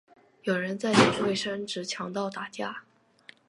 有人在抢卫生纸抢到打架